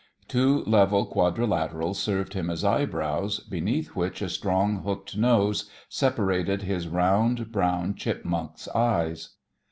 Two level quadrilaterals served him as eyebrows, beneath which a strong hooked nose separated his round, brown, chipmunk's eyes.